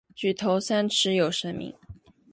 举头三尺有神明。